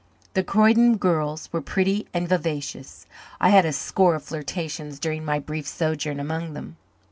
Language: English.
The Croyden girls were pretty and vivacious. I had a score of flirtations during my brief sojourn among them.